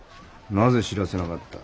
なぜ知らせなかった？